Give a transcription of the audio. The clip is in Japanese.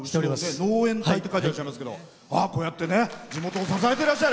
「農援隊」って書いていらっしゃいますけどこうやって地元を支えてらっしゃる。